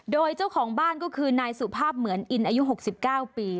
โดยเจ้าของบ้านก็คือนายสุภาพเหมือนอินอายุ๖๙ปี